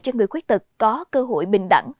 cho người khuyết tực có cơ hội bình đẳng